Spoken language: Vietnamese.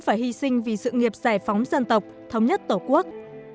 phải hy sinh vì sự nghiệp giải phóng dân tộc thống nhất tổ quốc